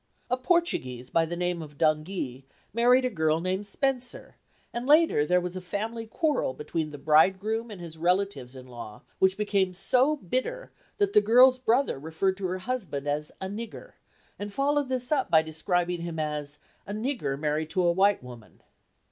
A Por tuguese by the name of Dungee married a girl named Spencer, and later there was a family quarrel between the bridegroom and his relatives in law which became so bitter that the girl's brother referred to her husband as "a nigger," and followed this up by describing him as "a nigger married to a white woman."